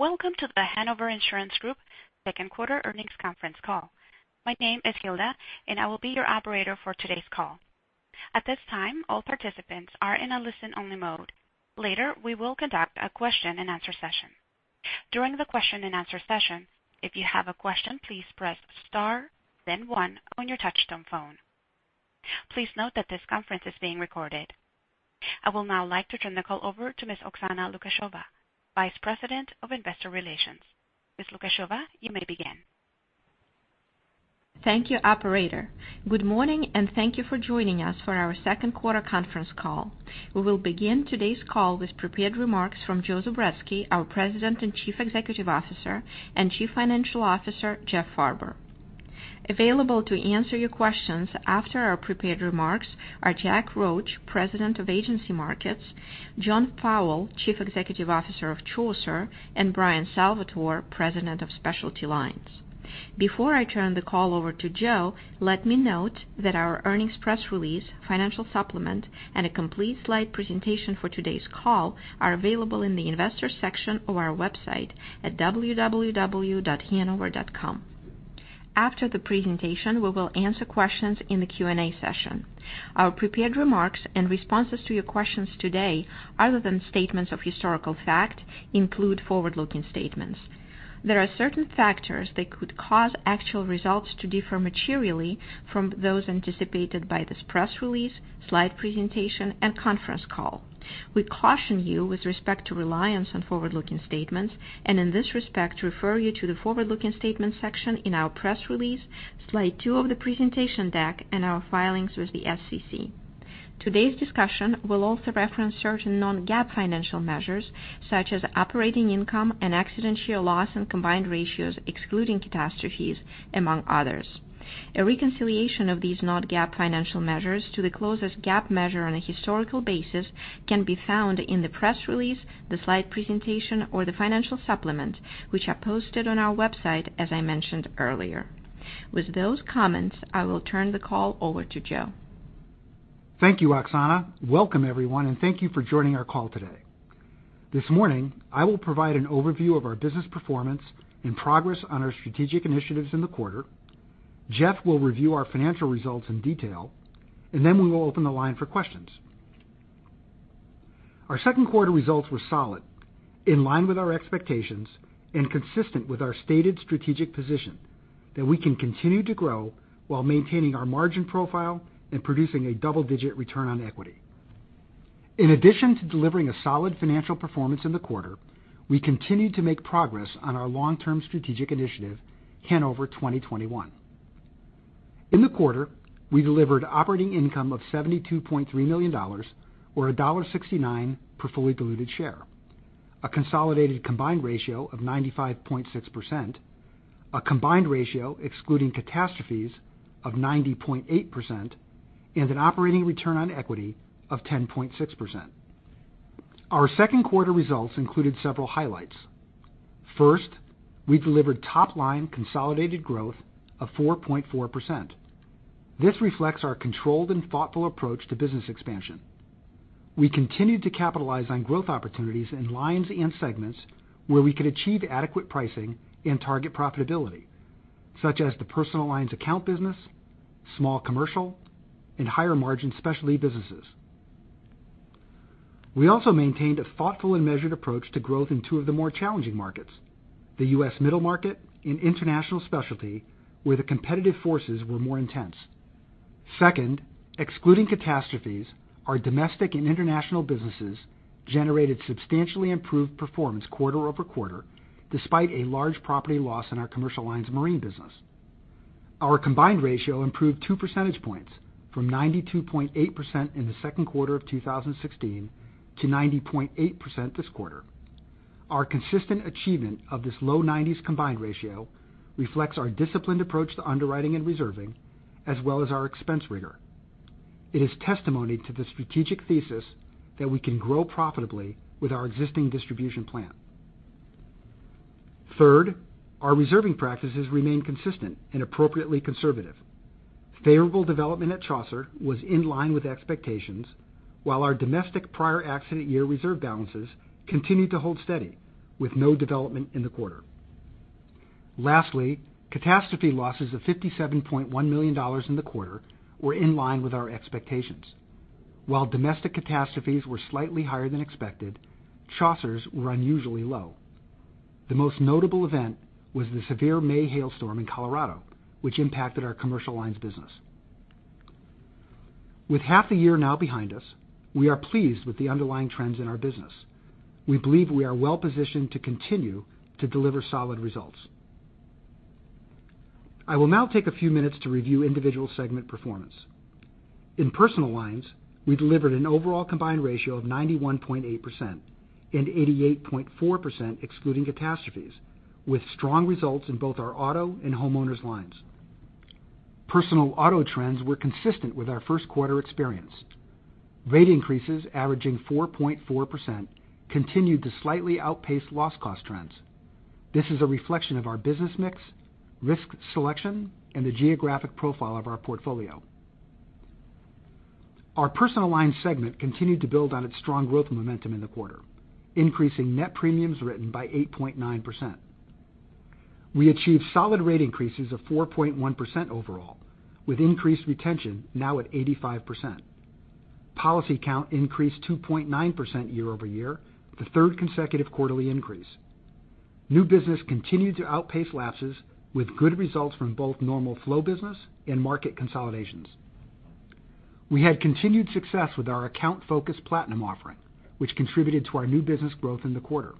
Welcome to The Hanover Insurance Group second quarter earnings conference call. My name is Hilda and I will be your operator for today's call. At this time, all participants are in a listen-only mode. Later, we will conduct a question-and-answer session. During the question-and-answer session, if you have a question, please press star then one on your touchtone phone. Please note that this conference is being recorded. I will now like to turn the call over to Ms. Oksana Lukasheva, vice president of investor relations. Ms. Lukasheva, you may begin. Thank you, operator. Good morning and thank you for joining us for our second quarter conference call. We will begin today's call with prepared remarks from Joe Zubretsky, our president and chief executive officer, and Chief Financial Officer, Jeff Farber. Available to answer your questions after our prepared remarks are Jack Roche, president of Hanover Agency Markets, John Fowle, chief executive officer of Chaucer, and Bryan Salvatore, president of Specialty Lines. Before I turn the call over to Joe, let me note that our earnings press release, financial supplement, and a complete slide presentation for today's call are available in the investors section of our website at www.hanover.com. After the presentation, we will answer questions in the Q&A session. Our prepared remarks and responses to your questions today, other than statements of historical fact, include forward-looking statements. There are certain factors that could cause actual results to differ materially from those anticipated by this press release, slide presentation, and conference call. We caution you with respect to reliance on forward-looking statements, and in this respect refer you to the forward-looking statements section in our press release, slide two of the presentation deck, and our filings with the SEC. Today's discussion will also reference certain non-GAAP financial measures, such as operating income and accident year loss and combined ratios excluding catastrophes, among others. A reconciliation of these non-GAAP financial measures to the closest GAAP measure on a historical basis can be found in the press release, the slide presentation or the financial supplement, which are posted on our website, as I mentioned earlier. With those comments, I will turn the call over to Joe. Thank you, Oksana. Welcome everyone, and thank you for joining our call today. This morning, I will provide an overview of our business performance and progress on our strategic initiatives in the quarter. Jeff will review our financial results in detail, then we will open the line for questions. Our second quarter results were solid, in line with our expectations and consistent with our stated strategic position, that we can continue to grow while maintaining our margin profile and producing a double-digit return on equity. In addition to delivering a solid financial performance in the quarter, we continued to make progress on our long-term strategic initiative, Hanover 2021. In the quarter, we delivered operating income of $72.3 million, or $1.69 per fully diluted share, a consolidated combined ratio of 95.6%, a combined ratio excluding catastrophes of 90.8%, and an operating return on equity of 10.6%. Our second quarter results included several highlights. First, we delivered top-line consolidated growth of 4.4%. This reflects our controlled and thoughtful approach to business expansion. We continued to capitalize on growth opportunities in lines and segments where we could achieve adequate pricing and target profitability, such as the Personal Lines account business, Small Commercial, and higher margin Specialty Lines businesses. We also maintained a thoughtful and measured approach to growth in two of the more challenging markets, the U.S. Middle Market and International Specialty, where the competitive forces were more intense. Second, excluding catastrophes, our domestic and international businesses generated substantially improved performance quarter-over-quarter, despite a large property loss in our Commercial Lines marine business. Our combined ratio improved two percentage points from 92.8% in the second quarter of 2016 to 90.8% this quarter. Our consistent achievement of this low nineties combined ratio reflects our disciplined approach to underwriting and reserving, as well as our expense rigor. It is testimony to the strategic thesis that we can grow profitably with our existing distribution plan. Third, our reserving practices remain consistent and appropriately conservative. Favorable development at Chaucer was in line with expectations, while our domestic prior accident year reserve balances continued to hold steady with no development in the quarter. Lastly, catastrophe losses of $57.1 million in the quarter were in line with our expectations. While domestic catastrophes were slightly higher than expected, Chaucer's were unusually low. The most notable event was the severe May hailstorm in Colorado, which impacted our Commercial Lines business. With half the year now behind us, we are pleased with the underlying trends in our business. We believe we are well-positioned to continue to deliver solid results. I will now take a few minutes to review individual segment performance. In Personal Lines, we delivered an overall combined ratio of 91.8%, and 88.4% excluding catastrophes with strong results in both our auto and homeowners lines. Personal auto trends were consistent with our first quarter experience. Rate increases averaging 4.4% continued to slightly outpace loss cost trends. This is a reflection of our business mix, risk selection, and the geographic profile of our portfolio. Our Personal Lines segment continued to build on its strong growth momentum in the quarter, increasing net premiums written by 8.9%. We achieved solid rate increases of 4.1% overall, with increased retention now at 85%. Policy count increased 2.9% year-over-year, the third consecutive quarterly increase. New business continued to outpace lapses with good results from both normal flow business and market consolidations. We had continued success with our account-focused Platinum offering, which contributed to our new business growth in the quarter.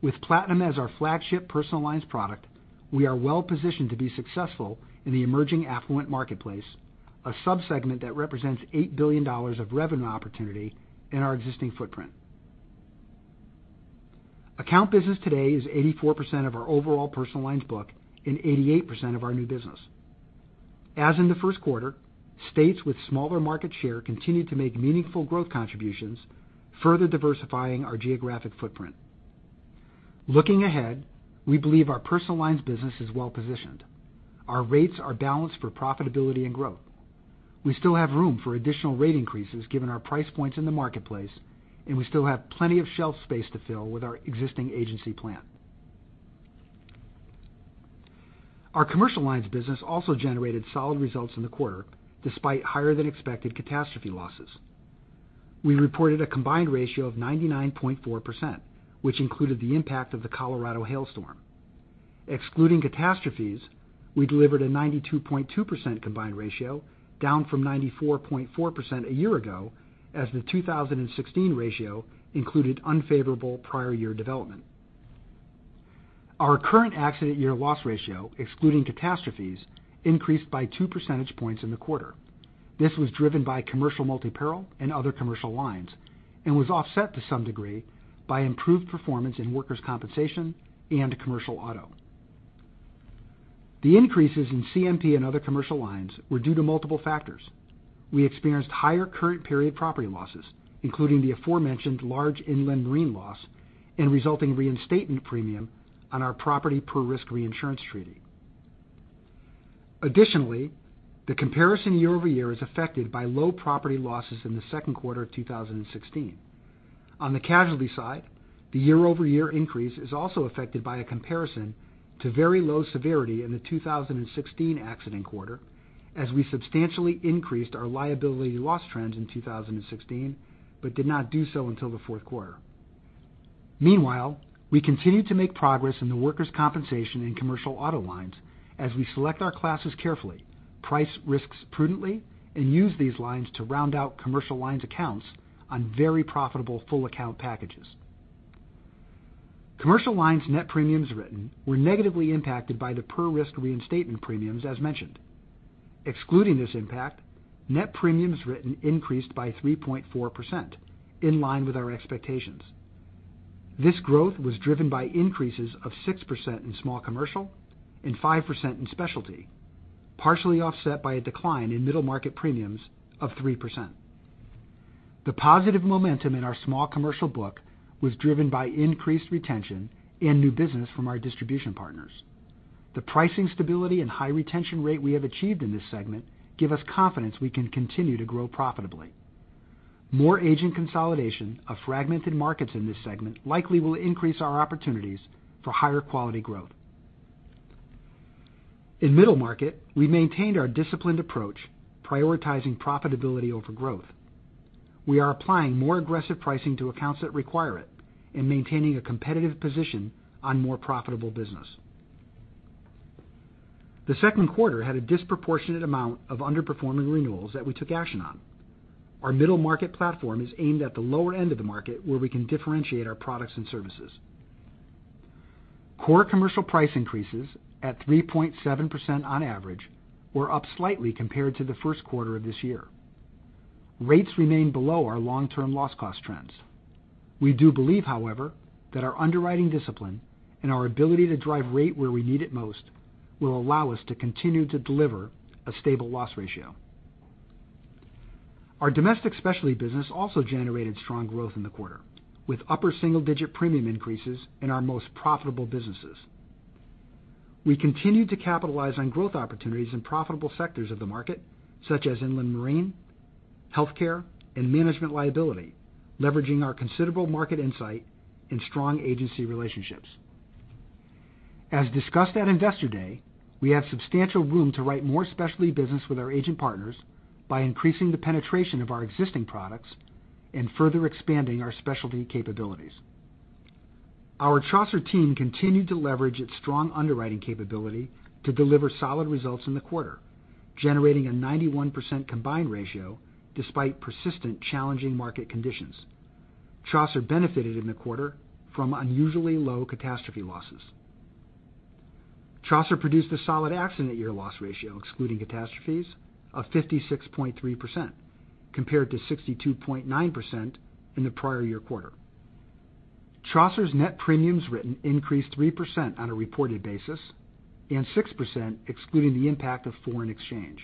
With Platinum as our flagship Personal Lines product, we are well-positioned to be successful in the emerging affluent marketplace, a sub-segment that represents $8 billion of revenue opportunity in our existing footprint. Account business today is 84% of our overall Personal Lines book and 88% of our new business. As in the first quarter, states with smaller market share continued to make meaningful growth contributions, further diversifying our geographic footprint. Looking ahead, we believe our Personal Lines business is well-positioned. Our rates are balanced for profitability and growth. We still have room for additional rate increases given our price points in the marketplace, and we still have plenty of shelf space to fill with our existing agency plan. Our Commercial Lines business also generated solid results in the quarter, despite higher-than-expected catastrophe losses. We reported a combined ratio of 99.4%, which included the impact of the Colorado hailstorm. Excluding catastrophes, we delivered a 92.2% combined ratio, down from 94.4% a year ago as the 2016 ratio included unfavorable prior year development. Our current accident year loss ratio, excluding catastrophes, increased by two percentage points in the quarter. This was driven by Commercial Multi-Peril and other Commercial Lines, and was offset to some degree by improved performance in workers' compensation and commercial auto. The increases in CMP and other Commercial Lines were due to multiple factors. We experienced higher current period property losses, including the aforementioned large inland marine loss and resulting reinstatement premium on our property per risk reinsurance treaty. Additionally, the comparison year-over-year is affected by low property losses in the second quarter of 2016. On the casualty side, the year-over-year increase is also affected by a comparison to very low severity in the 2016 accident quarter as we substantially increased our liability loss trends in 2016, but did not do so until the fourth quarter. Meanwhile, we continued to make progress in the workers' compensation and commercial auto lines as we select our classes carefully, price risks prudently, and use these lines to round out Commercial Lines accounts on very profitable full account packages. Commercial Lines net premiums written were negatively impacted by the per risk reinstatement premiums as mentioned. Excluding this impact, net premiums written increased by 3.4%, in line with our expectations. This growth was driven by increases of 6% in Small Commercial and 5% in specialty, partially offset by a decline in Middle Market premiums of 3%. The positive momentum in our Small Commercial book was driven by increased retention and new business from our distribution partners. The pricing stability and high retention rate we have achieved in this segment give us confidence we can continue to grow profitably. More agent consolidation of fragmented markets in this segment likely will increase our opportunities for higher quality growth. In Middle Market, we maintained our disciplined approach, prioritizing profitability over growth. We are applying more aggressive pricing to accounts that require it and maintaining a competitive position on more profitable business. The second quarter had a disproportionate amount of underperforming renewals that we took action on. Our Middle Market platform is aimed at the lower end of the market where we can differentiate our products and services. Core commercial price increases at 3.7% on average were up slightly compared to the first quarter of this year. Rates remain below our long-term loss cost trends. We do believe, however, that our underwriting discipline and our ability to drive rate where we need it most will allow us to continue to deliver a stable loss ratio. Our domestic specialty business also generated strong growth in the quarter, with upper single-digit premium increases in our most profitable businesses. We continued to capitalize on growth opportunities in profitable sectors of the market, such as inland marine, healthcare, and management liability, leveraging our considerable market insight and strong agency relationships. As discussed at Investor Day, we have substantial room to write more specialty business with our agent partners by increasing the penetration of our existing products and further expanding our specialty capabilities. Our Chaucer team continued to leverage its strong underwriting capability to deliver solid results in the quarter, generating a 91% combined ratio despite persistent challenging market conditions. Chaucer benefited in the quarter from unusually low catastrophe losses. Chaucer produced a solid accident year loss ratio excluding catastrophes of 56.3%, compared to 62.9% in the prior year quarter. Chaucer's net premiums written increased 3% on a reported basis and 6% excluding the impact of foreign exchange.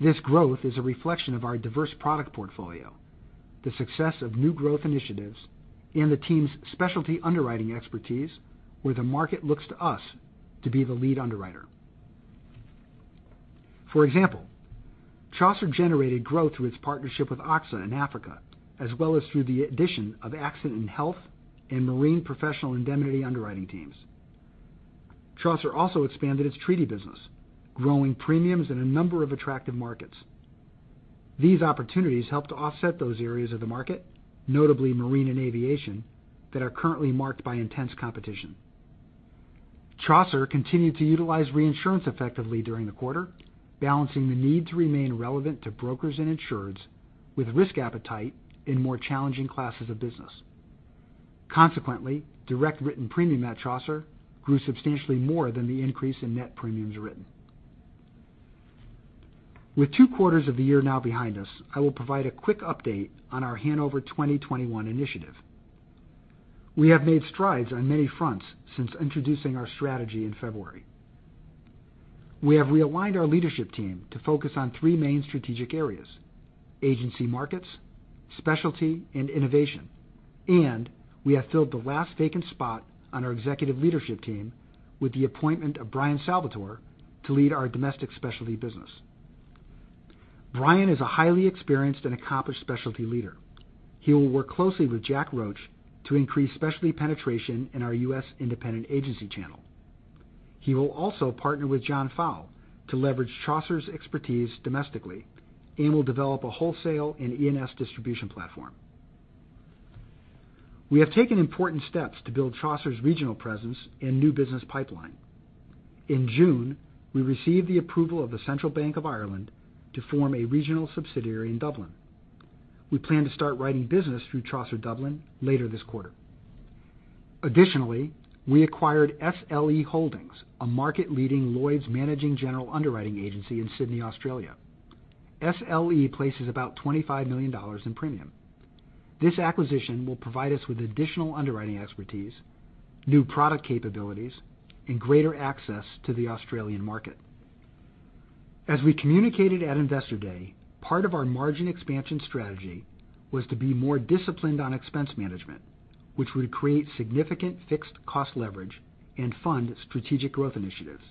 This growth is a reflection of our diverse product portfolio. The success of new growth initiatives and the team's Specialty underwriting expertise, where the market looks to us to be the lead underwriter. For example, Chaucer generated growth through its partnership with AXA in Africa, as well as through the addition of accident and health and marine professional indemnity underwriting teams. Chaucer also expanded its treaty business, growing premiums in a number of attractive markets. These opportunities helped to offset those areas of the market, notably marine and aviation, that are currently marked by intense competition. Direct written premium at Chaucer grew substantially more than the increase in net premiums written. With two quarters of the year now behind us, I will provide a quick update on our Hanover 2021 initiative. We have made strides on many fronts since introducing our strategy in February. We have realigned our leadership team to focus on three main strategic areas: Agency Markets, Specialty, and innovation, and we have filled the last vacant spot on our executive leadership team with the appointment of Bryan Salvatore to lead our domestic Specialty business. Bryan is a highly experienced and accomplished Specialty leader. He will work closely with Jack Roche to increase Specialty penetration in our U.S. independent agency channel. He will also partner with John Fowle to leverage Chaucer's expertise domestically and will develop a wholesale and E&S distribution platform. We have taken important steps to build Chaucer's regional presence and new business pipeline. In June, we received the approval of the Central Bank of Ireland to form a regional subsidiary in Dublin. We plan to start writing business through Chaucer Dublin later this quarter. We acquired SLE Holdings, a market-leading Lloyd's managing general underwriting agency in Sydney, Australia. SLE places about $25 million in premium. This acquisition will provide us with additional underwriting expertise, new product capabilities, and greater access to the Australian market. As we communicated at Investor Day, part of our margin expansion strategy was to be more disciplined on expense management, which would create significant fixed cost leverage and fund strategic growth initiatives.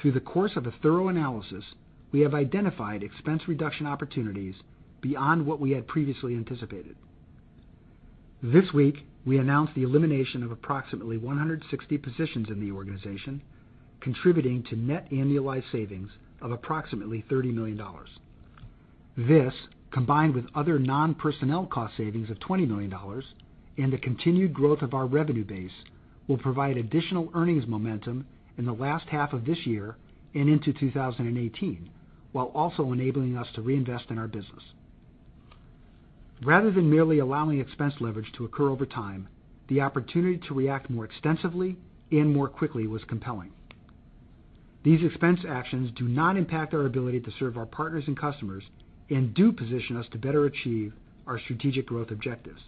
Through the course of a thorough analysis, we have identified expense reduction opportunities beyond what we had previously anticipated. This week, we announced the elimination of approximately 160 positions in the organization, contributing to net annualized savings of approximately $30 million. This, combined with other non-personnel cost savings of $20 million and the continued growth of our revenue base, will provide additional earnings momentum in the last half of this year and into 2018, while also enabling us to reinvest in our business. Rather than merely allowing expense leverage to occur over time, the opportunity to react more extensively and more quickly was compelling. These expense actions do not impact our ability to serve our partners and customers and do position us to better achieve our strategic growth objectives.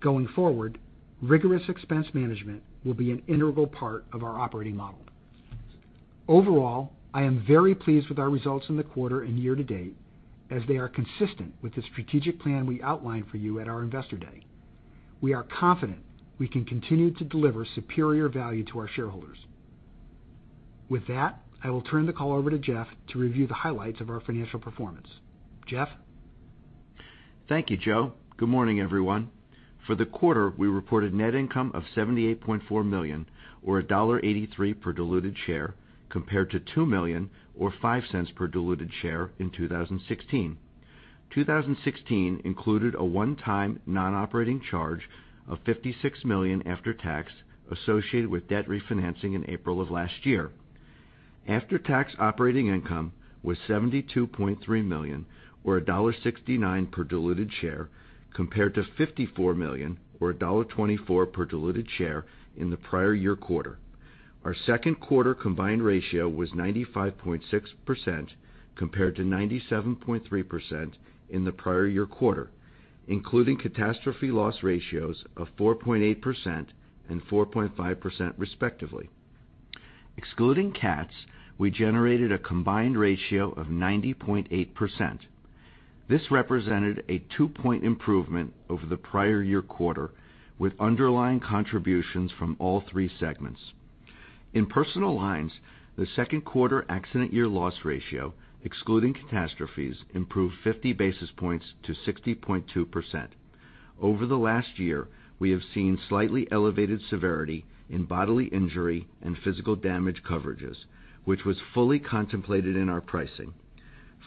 Going forward, rigorous expense management will be an integral part of our operating model. Overall, I am very pleased with our results in the quarter and year-to-date, as they are consistent with the strategic plan we outlined for you at our Investor Day. We are confident we can continue to deliver superior value to our shareholders. With that, I will turn the call over to Jeff to review the highlights of our financial performance. Jeff? Thank you, Joe. Good morning, everyone. For the quarter, we reported net income of $78.4 million, or $1.83 per diluted share, compared to $2 million or $0.05 per diluted share in 2016. 2016 included a one-time non-operating charge of $56 million after tax associated with debt refinancing in April of last year. After-tax operating income was $72.3 million, or $1.69 per diluted share, compared to $54 million or $1.24 per diluted share in the prior-year quarter. Our second quarter combined ratio was 95.6%, compared to 97.3% in the prior-year quarter, including catastrophe loss ratios of 4.8% and 4.5% respectively. Excluding cats, we generated a combined ratio of 90.8%. This represented a 2-point improvement over the prior-year quarter, with underlying contributions from all 3 segments. In Personal Lines, the second quarter accident year loss ratio, excluding catastrophes, improved 50 basis points to 60.2%. Over the last year, we have seen slightly elevated severity in bodily injury and physical damage coverages, which was fully contemplated in our pricing.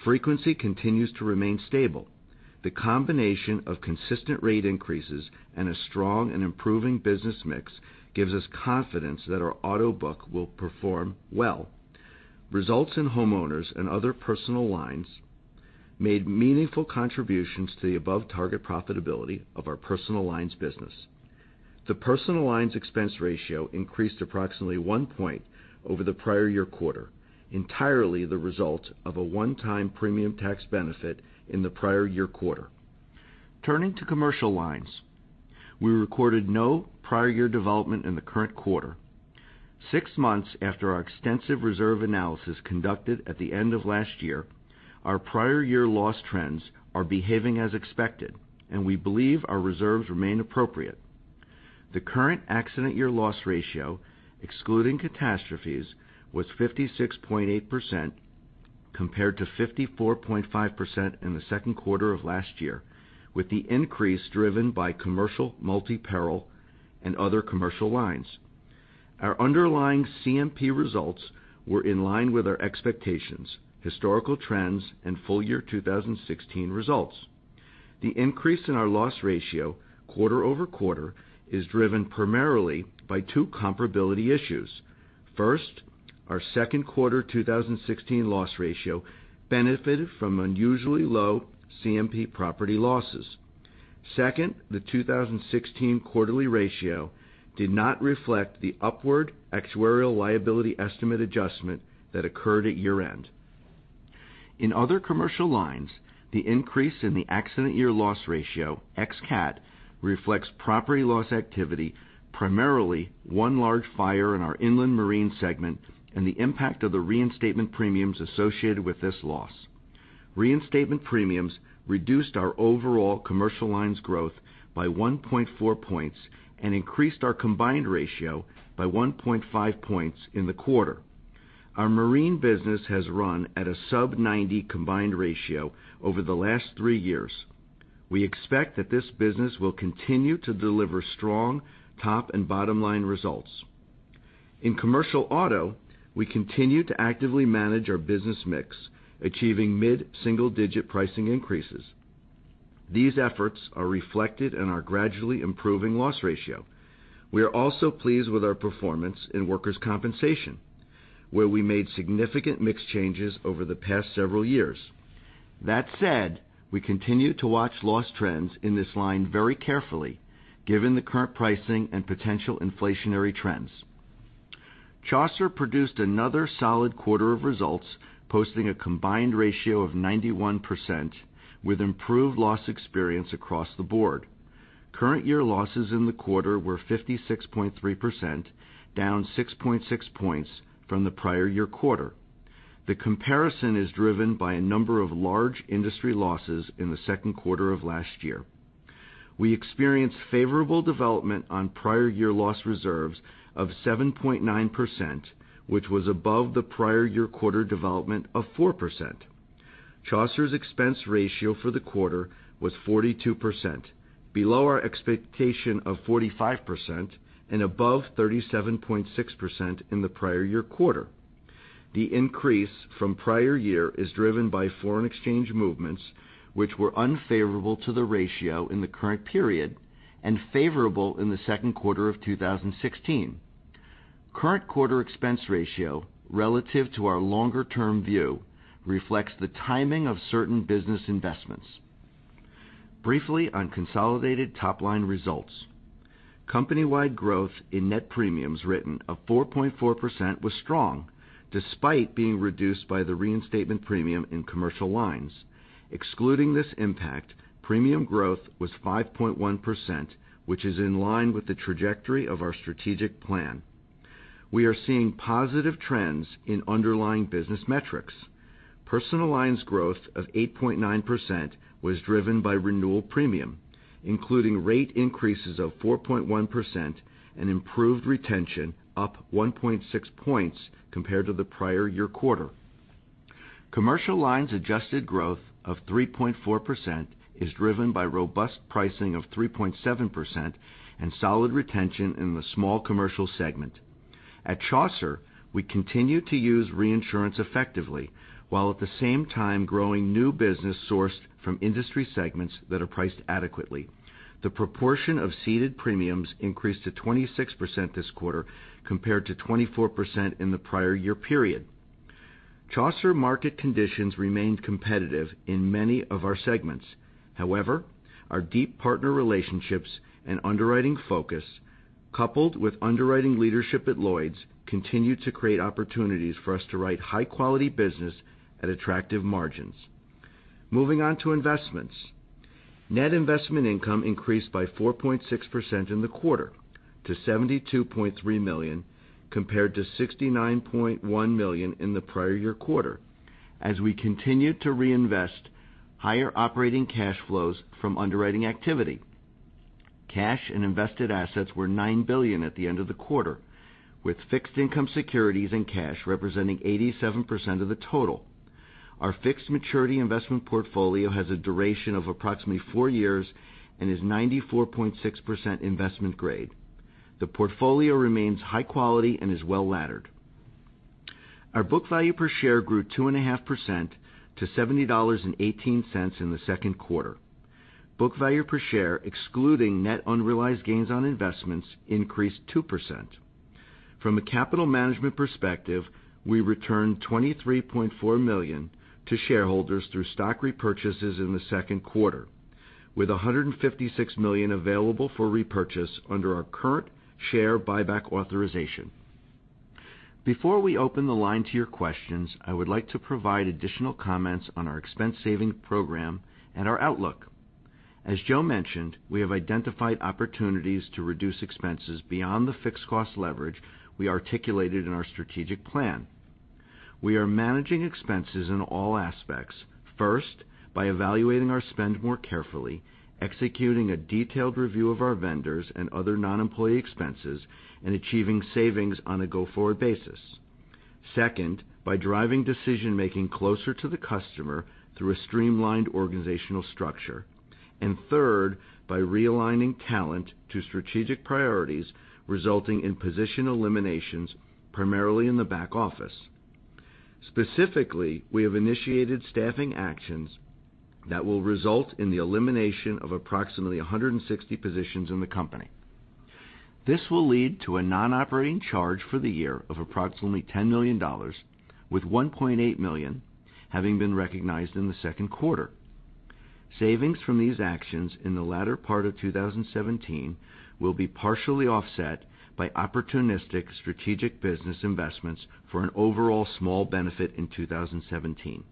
Frequency continues to remain stable. The combination of consistent rate increases and a strong and improving business mix gives us confidence that our auto book will perform well. Results in homeowners and other Personal Lines made meaningful contributions to the above-target profitability of our Personal Lines business. The Personal Lines expense ratio increased approximately 1 point over the prior-year quarter, entirely the result of a one-time premium tax benefit in the prior-year quarter. Turning to Commercial Lines. We recorded no prior-year development in the current quarter. 6 months after our extensive reserve analysis conducted at the end of last year, our prior-year loss trends are behaving as expected, and we believe our reserves remain appropriate. The current accident year loss ratio, excluding catastrophes, was 56.8%, compared to 54.5% in the second quarter of last year, with the increase driven by Commercial Multi-Peril and other Commercial Lines. Our underlying CMP results were in line with our expectations, historical trends, and full-year 2016 results. The increase in our loss ratio quarter over quarter is driven primarily by 2 comparability issues. First, our second quarter 2016 loss ratio benefited from unusually low CMP property losses. Second, the 2016 quarterly ratio did not reflect the upward actuarial liability estimate adjustment that occurred at year-end. In other Commercial Lines, the increase in the accident year loss ratio, x CAT, reflects property loss activity, primarily 1 large fire in our inland marine segment and the impact of the reinstatement premiums associated with this loss. Reinstatement premiums reduced our overall Commercial Lines growth by 1.4 points and increased our combined ratio by 1.5 points in the quarter. Our marine business has run at a sub-90 combined ratio over the last three years. We expect that this business will continue to deliver strong top and bottom line results. In commercial auto, we continue to actively manage our business mix, achieving mid-single-digit pricing increases. These efforts are reflected in our gradually improving loss ratio. We are also pleased with our performance in workers' compensation, where we made significant mix changes over the past several years. That said, we continue to watch loss trends in this line very carefully, given the current pricing and potential inflationary trends. Chaucer produced another solid quarter of results, posting a combined ratio of 91% with improved loss experience across the board. Current year losses in the quarter were 56.3%, down 6.6 points from the prior year quarter. The comparison is driven by a number of large industry losses in the second quarter of 2016. We experienced favorable development on prior year loss reserves of 7.9%, which was above the prior year quarter development of 4%. Chaucer's expense ratio for the quarter was 42%, below our expectation of 45% and above 37.6% in the prior year quarter. The increase from prior year is driven by foreign exchange movements, which were unfavorable to the ratio in the current period and favorable in the second quarter of 2016. Current quarter expense ratio, relative to our longer term view, reflects the timing of certain business investments. Briefly on consolidated top-line results. Company-wide growth in net premiums written of 4.4% was strong, despite being reduced by the reinstatement premium in Commercial Lines. Excluding this impact, premium growth was 5.1%, which is in line with the trajectory of our strategic plan. We are seeing positive trends in underlying business metrics. Personal Lines growth of 8.9% was driven by renewal premium, including rate increases of 4.1% and improved retention up 1.6 points compared to the prior year quarter. Commercial Lines adjusted growth of 3.4% is driven by robust pricing of 3.7% and solid retention in the Small commercial segment. At Chaucer, we continue to use reinsurance effectively, while at the same time growing new business sourced from industry segments that are priced adequately. The proportion of ceded premiums increased to 26% this quarter, compared to 24% in the prior year period. Chaucer market conditions remained competitive in many of our segments. Our deep partner relationships and underwriting focus, coupled with underwriting leadership at Lloyd's, continue to create opportunities for us to write high quality business at attractive margins. Moving on to investments. Net investment income increased by 4.6% in the quarter to $72.3 million, compared to $69.1 million in the prior year quarter as we continued to reinvest higher operating cash flows from underwriting activity. Cash and invested assets were $9 billion at the end of the quarter, with fixed income securities and cash representing 87% of the total. Our fixed maturity investment portfolio has a duration of approximately four years and is 94.6% investment grade. The portfolio remains high quality and is well-laddered. Our book value per share grew 2.5% to $70.18 in the second quarter. Book value per share excluding net unrealized gains on investments increased 2%. From a capital management perspective, we returned $23.4 million to shareholders through stock repurchases in the second quarter, with $156 million available for repurchase under our current share buyback authorization. Before we open the line to your questions, I would like to provide additional comments on our expense saving program and our outlook. As Joe mentioned, we have identified opportunities to reduce expenses beyond the fixed cost leverage we articulated in our strategic plan. We are managing expenses in all aspects. First, by evaluating our spend more carefully, executing a detailed review of our vendors and other non-employee expenses, and achieving savings on a go-forward basis. Second, by driving decision-making closer to the customer through a streamlined organizational structure. Third, by realigning talent to strategic priorities, resulting in position eliminations, primarily in the back office. Specifically, we have initiated staffing actions that will result in the elimination of approximately 160 positions in the company. This will lead to a non-operating charge for the year of approximately $10 million, with $1.8 million having been recognized in the second quarter. Savings from these actions in the latter part of 2017 will be partially offset by opportunistic strategic business investments for an overall small benefit in 2017.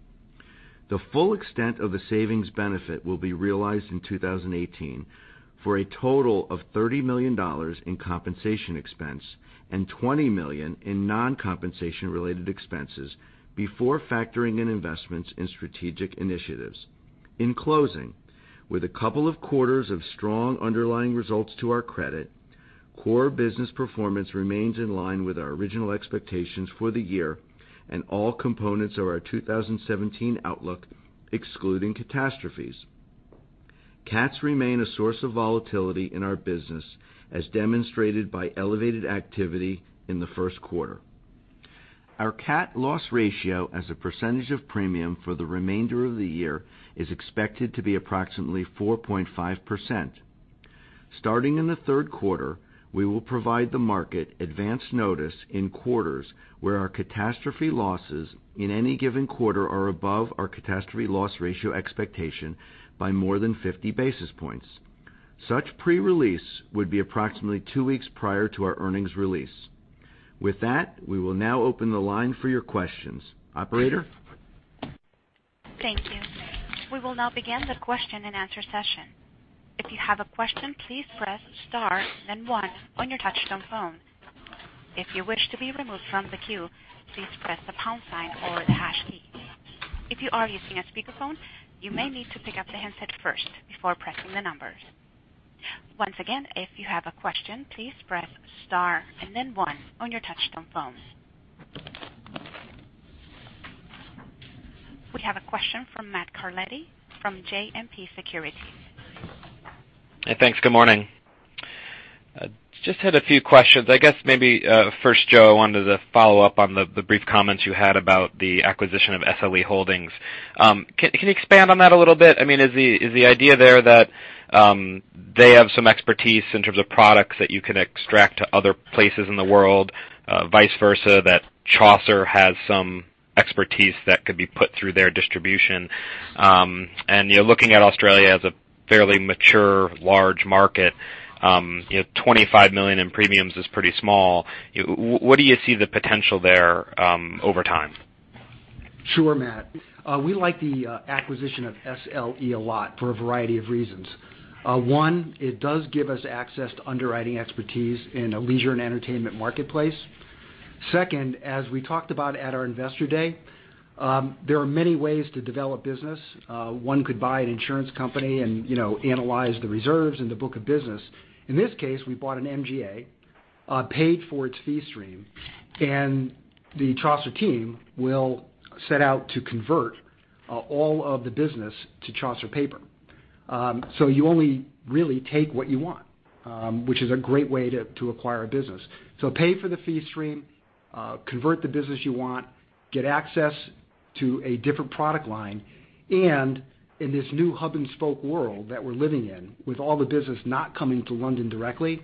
The full extent of the savings benefit will be realized in 2018 for a total of $30 million in compensation expense and $20 million in non-compensation related expenses before factoring in investments in strategic initiatives. In closing, with a couple of quarters of strong underlying results to our credit, core business performance remains in line with our original expectations for the year and all components of our 2017 outlook excluding catastrophes. Cats remain a source of volatility in our business, as demonstrated by elevated activity in the first quarter. Our cat loss ratio as a percentage of premium for the remainder of the year is expected to be approximately 4.5%. Starting in the third quarter, we will provide the market advance notice in quarters where our catastrophe losses in any given quarter are above our catastrophe loss ratio expectation by more than 50 basis points. Such pre-release would be approximately two weeks prior to our earnings release. With that, we will now open the line for your questions. Operator? Thank you. We will now begin the question and answer session. If you have a question, please press star then one on your touchtone phone. If you wish to be removed from the queue, please press the pound sign or the hash key. If you are using a speakerphone, you may need to pick up the handset first before pressing the numbers. Once again, if you have a question, please press star and then one on your touchtone phone. We have a question from Matthew Carletti from JMP Securities. Hey, thanks. Good morning. Just had a few questions. I guess maybe first, Joe, I wanted to follow up on the brief comments you had about the acquisition of SLE Holdings. Can you expand on that a little bit? Is the idea there that they have some expertise in terms of products that you can extract to other places in the world, vice versa, that Chaucer has some expertise that could be put through their distribution? You're looking at Australia as a fairly mature, large market. $25 million in premiums is pretty small. Where do you see the potential there over time? Sure, Matt. We like the acquisition of SLE a lot for a variety of reasons. One, it does give us access to underwriting expertise in a leisure and entertainment marketplace. Second, as we talked about at our Investor Day, there are many ways to develop business. One could buy an insurance company and analyze the reserves and the book of business. In this case, we bought an MGA, paid for its fee stream, and the Chaucer team will set out to convert all of the business to Chaucer paper. You only really take what you want, which is a great way to acquire a business. Pay for the fee stream, convert the business you want, get access to a different product line, and in this new hub and spoke world that we're living in, with all the business not coming to London directly,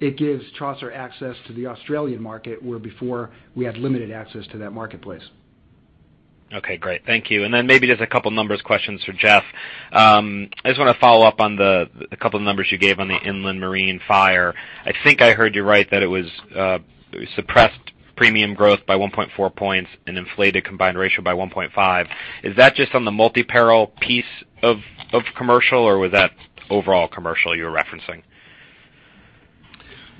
it gives Chaucer access to the Australian market, where before we had limited access to that marketplace. Okay, great. Thank you. Then maybe just a couple numbers questions for Jeff. I just want to follow up on the couple numbers you gave on the inland marine fire. I think I heard you right that it was suppressed premium growth by 1.4 points and inflated combined ratio by 1.5. Is that just on the multi-peril piece of commercial, or was that overall commercial you're referencing?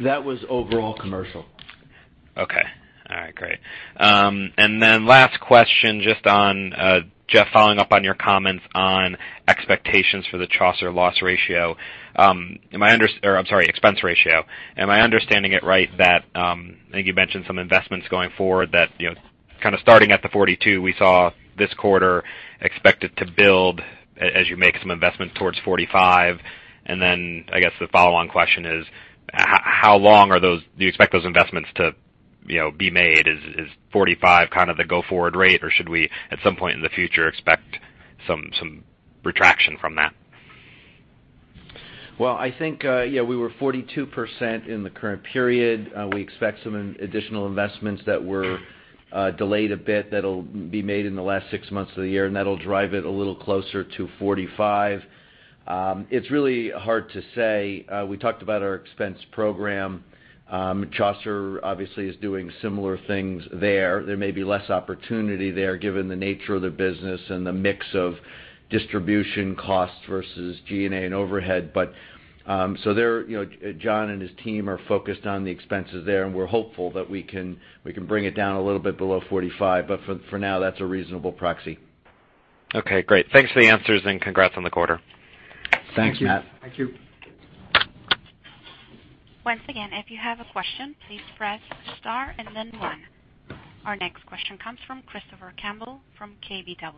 That was overall commercial. Okay. All right, great. Last question, just on, Jeff, following up on your comments on expectations for the Chaucer loss ratio. Am I under-- or I'm sorry, expense ratio. Am I understanding it right that, I think you mentioned some investments going forward that, kind of starting at the 42% we saw this quarter, expect it to build as you make some investments towards 45%, and then I guess the follow-on question is how long do you expect those investments to be made? Is 45% kind of the go-forward rate, or should we at some point in the future expect some retraction from that? Well, I think, yeah, we were 42% in the current period. We expect some additional investments that we're delayed a bit, that'll be made in the last six months of the year, and that'll drive it a little closer to 45%. It's really hard to say. We talked about our expense program. Chaucer obviously is doing similar things there. There may be less opportunity there, given the nature of the business and the mix of distribution costs versus G&A and overhead. John and his team are focused on the expenses there, and we're hopeful that we can bring it down a little bit below 45%, but for now, that's a reasonable proxy. Okay, great. Thanks for the answers, and congrats on the quarter. Thanks, Matt. Thank you. Once again, if you have a question, please press star and then one. Our next question comes from Christopher Campbell from KBW.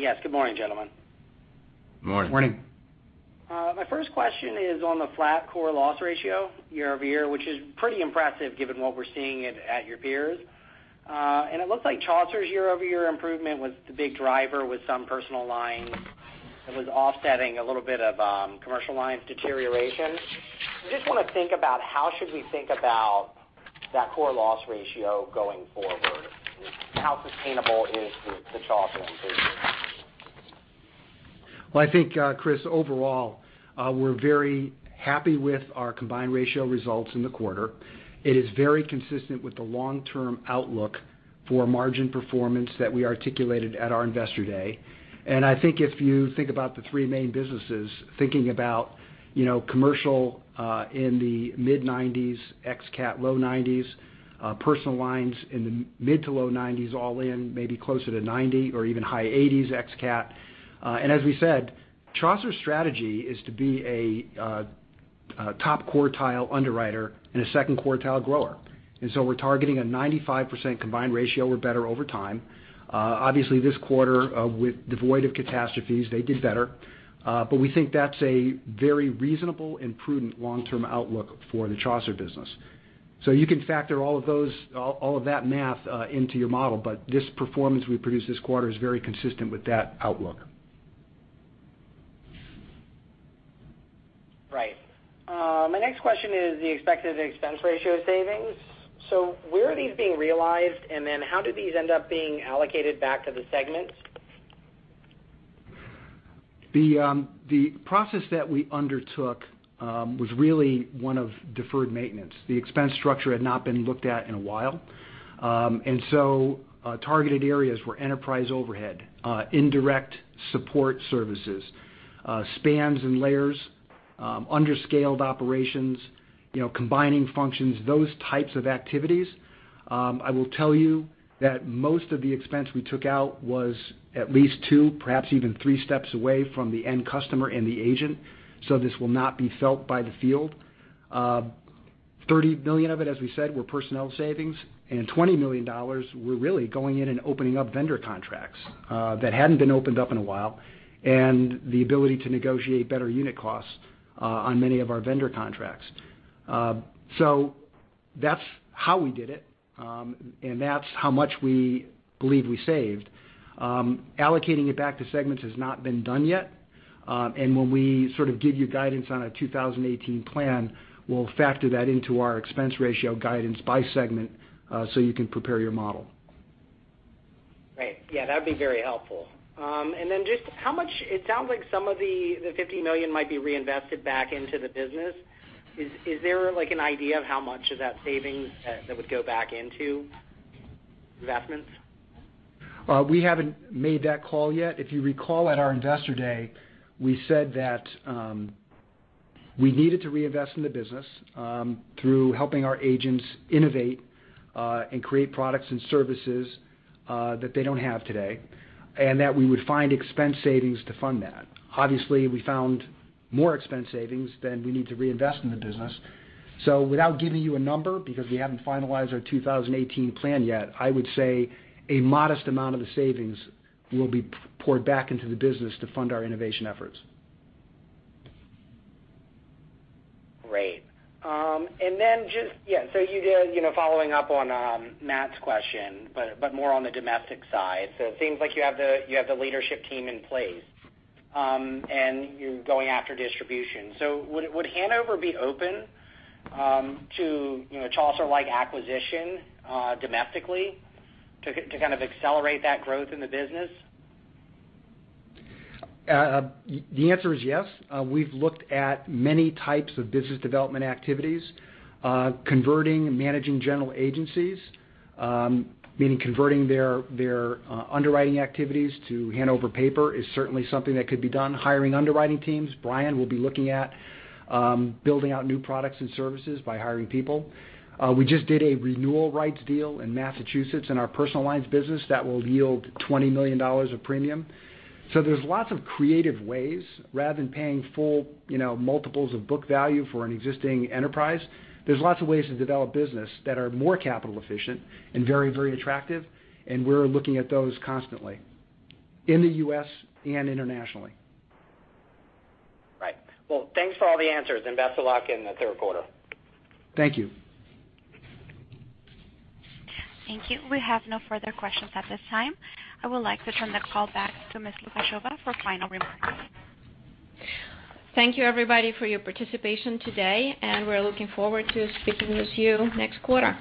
Yes. Good morning, gentlemen. Morning. Morning. My first question is on the flat core loss ratio year-over-year, which is pretty impressive given what we're seeing at your peers. It looks like Chaucer's year-over-year improvement was the big driver with some Personal Lines that was offsetting a little bit of Commercial Lines deterioration. I just want to think about how should we think about that core loss ratio going forward. How sustainable is the Chaucer improvement? Well, I think, Christopher Campbell, overall, we're very happy with our combined ratio results in the quarter. It is very consistent with the long-term outlook for margin performance that we articulated at our Investor Day. I think if you think about the three main businesses, thinking about Commercial Lines in the mid-90s, ex cat, low 90s, Personal Lines in the mid to low 90s, all in, maybe closer to 90 or even high 80s ex cat. As we said, Chaucer's strategy is to be a top quartile underwriter and a second quartile grower. We're targeting a 95% combined ratio or better over time. Obviously, this quarter, devoid of catastrophes, they did better. We think that's a very reasonable and prudent long-term outlook for the Chaucer business. You can factor all of that math into your model. This performance we produced this quarter is very consistent with that outlook. Right. My next question is the expected expense ratio savings. Where are these being realized, how do these end up being allocated back to the segments? The process that we undertook was really one of deferred maintenance. The expense structure had not been looked at in a while. Targeted areas were enterprise overhead, indirect support services, spans and layers, under-scaled operations, combining functions, those types of activities. I will tell you that most of the expense we took out was at least two, perhaps even three steps away from the end customer and the agent. This will not be felt by the field. 30 million of it, as we said, were personnel savings and $20 million were really going in and opening up vendor contracts that hadn't been opened up in a while, and the ability to negotiate better unit costs on many of our vendor contracts. That's how we did it, and that's how much we believe we saved. Allocating it back to segments has not been done yet. When we sort of give you guidance on a 2018 plan, we'll factor that into our expense ratio guidance by segment so you can prepare your model. Right. Yeah, that'd be very helpful. Just how much-- it sounds like some of the $50 million might be reinvested back into the business. Is there an idea of how much of that savings that would go back into investments? We haven't made that call yet. If you recall at our Investor Day, we said that we needed to reinvest in the business through helping our agents innovate and create products and services that they don't have today, and that we would find expense savings to fund that. Obviously, we found more expense savings than we need to reinvest in the business. Without giving you a number, because we haven't finalized our 2018 plan yet, I would say a modest amount of the savings will be poured back into the business to fund our innovation efforts. Great. Just following up on Matt's question, but more on the domestic side. It seems like you have the leadership team in place, and you're going after distribution. Would Hanover be open to a Chaucer-like acquisition domestically to kind of accelerate that growth in the business? The answer is yes. We've looked at many types of business development activities, converting and managing general agencies. Meaning converting their underwriting activities to Hanover paper is certainly something that could be done. Hiring underwriting teams. Bryan will be looking at building out new products and services by hiring people. We just did a renewal rights deal in Massachusetts in our Personal Lines business that will yield $20 million of premium. There's lots of creative ways rather than paying full multiples of book value for an existing enterprise. There's lots of ways to develop business that are more capital efficient and very, very attractive, and we're looking at those constantly in the U.S. and internationally. Right. Thanks for all the answers and best of luck in the third quarter. Thank you. Thank you. We have no further questions at this time. I would like to turn the call back to Ms. Lukasheva for final remarks. Thank you everybody for your participation today. We're looking forward to speaking with you next quarter.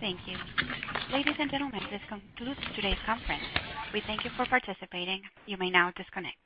Thank you. Ladies and gentlemen, this concludes today's conference. We thank you for participating. You may now disconnect.